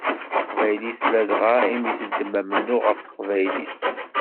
Taqbaylit ladɣa i mi teddem amennuɣ ɣef teqbaylit.